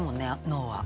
脳は。